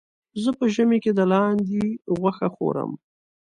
زه په ژمي کې د لاندې غوښه خورم.